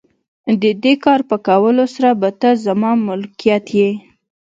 د دې کار په کولو سره به ته زما ملکیت یې.